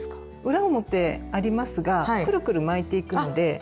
裏表ありますがくるくる巻いていくので。